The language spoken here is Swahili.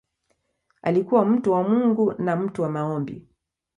Alikuwa mtu wa Mungu na mtu wa maombi.